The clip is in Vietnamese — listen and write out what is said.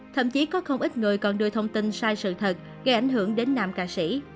thậm chí có không ít người còn đưa thông tin sai sự thật gây ảnh hưởng đến nam ca sĩ